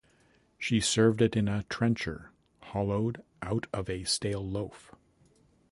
She served it in a "trencher" hollowed out of a stale loaf".